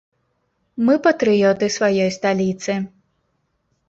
Мы патрыёты сваёй сталіцы.